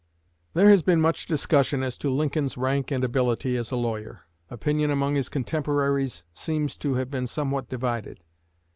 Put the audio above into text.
There has been much discussion as to Lincoln's rank and ability as a lawyer. Opinion among his contemporaries seems to have been somewhat divided.